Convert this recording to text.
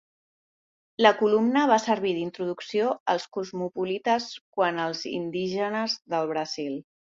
La columna va servir d'introducció als cosmopolites quant als indígenes del Brasil.